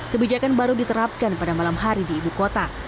kebijakan baru diterapkan pada malam hari di ibu kota